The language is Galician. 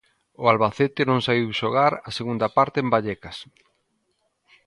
O Albacete non saíu xogar a segunda parte en Vallecas.